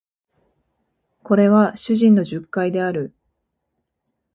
これは主人の述懐である